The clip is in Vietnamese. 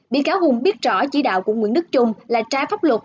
bị cáo hùng biết rõ chỉ đạo của nguyễn đức trung là trái pháp luật